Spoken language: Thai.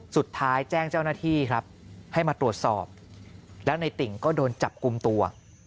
แจ้งเจ้าหน้าที่ครับให้มาตรวจสอบแล้วในติ่งก็โดนจับกลุ่มตัว